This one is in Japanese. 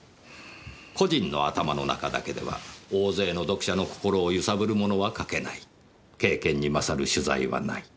「個人の頭の中だけでは大勢の読者の心を揺さぶるものは書けない」「経験に勝る取材はない」